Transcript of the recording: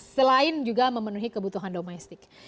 selain juga memenuhi kebutuhan domestik